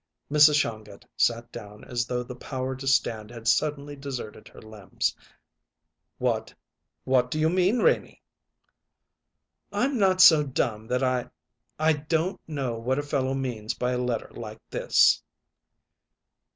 Mrs. Shongut sat down as though the power to stand had suddenly deserted her limbs. "What what do you mean, Renie?" "I'm not so dumb that I I don't know what a fellow means by a letter like this."